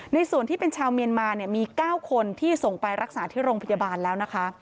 ส่วนที่เป็นชาวเมียนมาเนี่ยมี๙คนที่ส่งไปรักษาที่โรงพยาบาลแล้วนะคะ